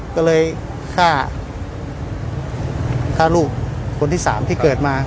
ก็เลยฆ่าฆ่าลูกคนที่๓ที่เกิดมา